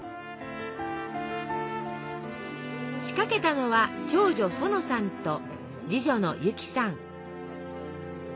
仕掛けたのは長女・園さんと次女の由樹さん。